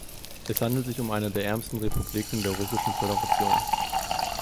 Es handelt sich um eine der ärmsten Republiken der russischen Föderation.